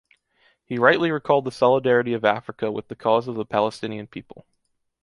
He rightly recalled the solidarity of Africa with the cause of the Palestinian people.